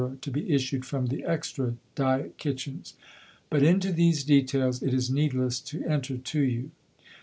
to be issued from the Extra Diet Kitchens. But into these details it is needless to enter to you.